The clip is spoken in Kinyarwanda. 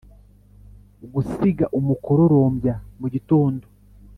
gusiga umukororombya mugitondo!